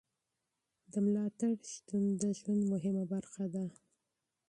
د ملاتړ شتون د ژوند مهمه برخه ده.